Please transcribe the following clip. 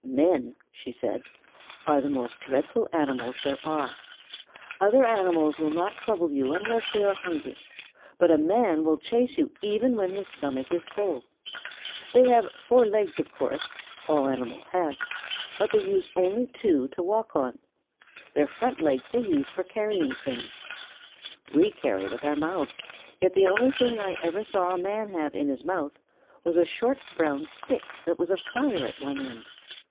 "Men," she said, "are the most dreadful animals there are. Other animals will not trouble you unless they are hungry, but a man will chase you even when his stomach is full. They have four legs, of course, all animals have, but they use only two to walk upon. Their front legs they use for carrying things. We carry with our mouths, yet the only thing I ever saw a man have in his mouth was a short brown stick that was afire at one end.